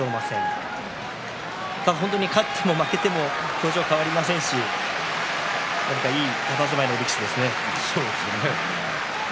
しかし勝っても負けても表情が変わりませんし何かいいたたずまいのそうですね。